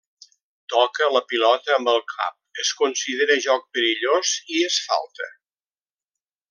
Toca la pilota amb el cap es considera joc perillós i és falta.